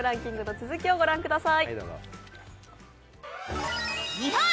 続きをご覧ください。